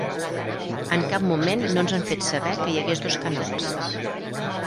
En cap moment no ens han fet saber que hi hagués dos canals.